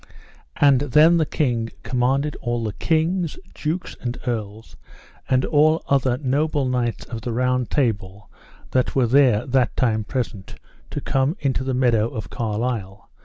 And then the king commanded all the kings, dukes, and earls, and all noble knights of the Round Table that were there that time present, to come into the meadow of Carlisle.